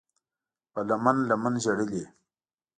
په لمن، لمن ژړلي